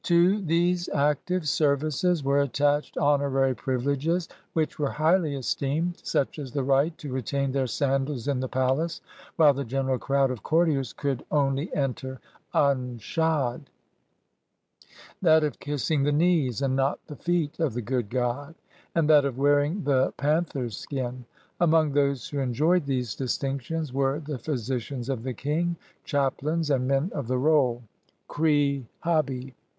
To these active services were attached honorary privileges which were highly esteemed, such as the right to retain their sandals in the palace, while the general crowd of courtiers could only enter unshod ; that of kissing the knees and not the feet of the ''good god," and that of wearing the pan ther's skin. Among those who enjoyed these distinc tions were the physicians of the king, chaplains, and men of the roll — khri hahi.